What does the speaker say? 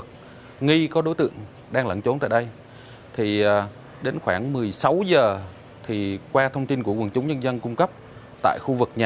các đối tượng đi lòng vòng đến xã kỳ sơn huyện sơn hà tỉnh quảng ngãi